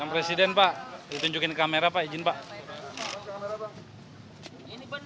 yang presiden pak ditunjukin kamera pak izin pak